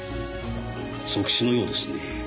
即死のようですね。